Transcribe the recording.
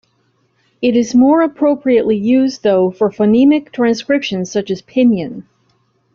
It is more appropriately used, though, for phonemic transcriptions such as pinyin.